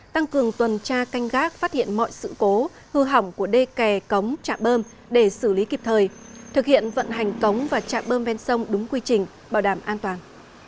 tăng cường tuần tra canh gác phát hiện mọi sự cố hư hỏng của đê kè cống trạm bơm để xử lý kịp thời thực hiện vận hành cống và trạm bơm ven sông đúng quy trình bảo đảm an toàn